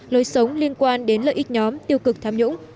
lối sống liên quan đến lợi ích nhóm tiêu cực tham nhũng